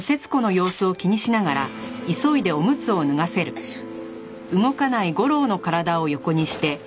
よいしょ。